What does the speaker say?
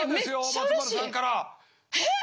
松丸さんから。